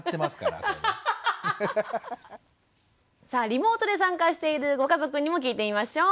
さあリモートで参加しているご家族にも聞いてみましょう。